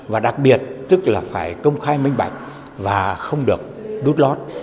và đặc biệt tức là phải công khai mênh bạch và không được đút lót